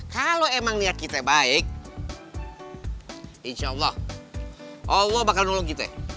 kalau emang niat kita baik insya allah allah bakal nolong kita